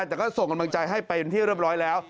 แต่ก็ส่งกำลังใจให้เป็นที่เรียบร้อยแล้ว